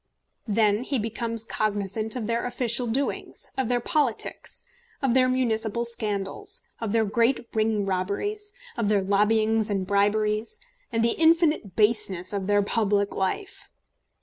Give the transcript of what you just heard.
Then he becomes cognisant of their official doings, of their politics, of their municipal scandals, of their great ring robberies, of their lobbyings and briberies, and the infinite baseness of their public life.